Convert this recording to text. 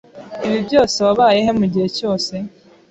Ibi byose wabaye he mugihe cyose?